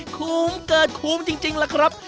คุ้มเกิดคุ้มจริงล่ะครับ